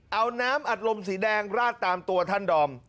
เอาน้ำอัดลมสีแดงราดตามตัวท่านดอม